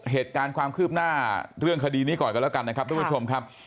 เหตุการณ์ความคืบหน้าเรื่องคดีนี้ก่อนกันละกันทุกคุณชมครับ